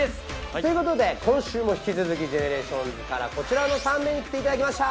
ということで今週も引き続きＧＥＮＥＲＡＴＩＯＮＳからこちらの３名に来ていただきました。